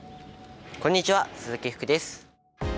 こんにちは鈴木福です。